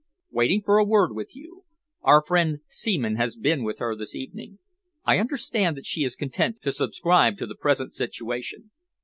"Waiting for a word with you. Our friend Seaman has been with her this evening. I understand that she is content to subscribe to the present situation.